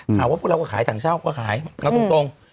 หาว่าพวกเราก็ขายถังเช่าก็ขายเอาตรง